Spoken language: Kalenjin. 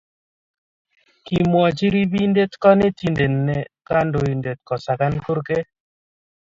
Kimwochi ribindet konetindet ne kandoinde kosakan kurke